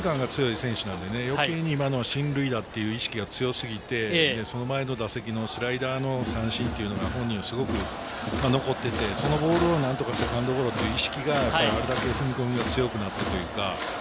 周りのカバーということで言いますと、きょうも責任感が強い選手なので、今のは余計に進塁打という意識が強すぎて、その前の打席のスライダーの三振というのが本人はすごく残っていて、そのボールを何とかセカンドゴロという意識があれだけ踏み込みが強くなったというか。